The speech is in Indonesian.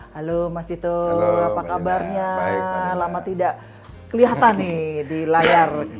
halo mas dito apa kabarnya lama tidak kelihatan nih di layar